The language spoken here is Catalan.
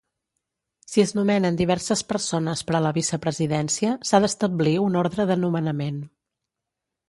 Si es nomenen diverses persones per a la vicepresidència, s’ha d’establir un ordre de nomenament.